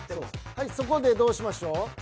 はいそこでどうしましょう？